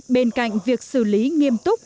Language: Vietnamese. bên cạnh việc xử lý nghiêm túc